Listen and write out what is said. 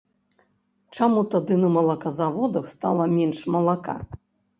Чаму тады на малаказаводах стала менш малака?